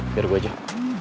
biar gue jauh